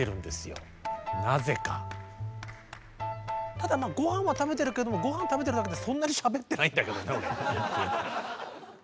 ただまあごはんは食べてるけどごはん食べてるだけでそんなにしゃべってないんだけどね俺。